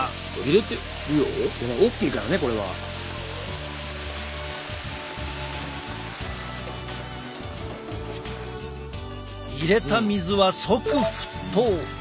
おっきいからねこれは。入れた水は即沸騰。